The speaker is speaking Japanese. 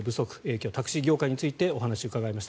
今日はタクシー業界についてお話を伺いました。